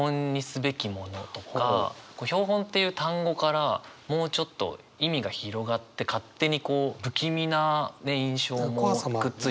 「標本」っていう単語からもうちょっと意味が広がって勝手にこう不気味な印象もくっついてきたりとか。